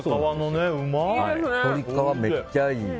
鶏皮、めっちゃいい！